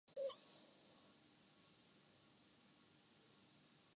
Asia Cup میں ناقص کارکردگی نے سرفراز کی نیندیں اڑا دیں